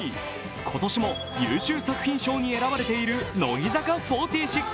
今年も優秀作品賞に選ばれている乃木坂４６。